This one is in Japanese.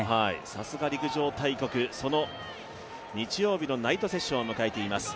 さすが陸上大国、その日曜日のナイトセッションを迎えています。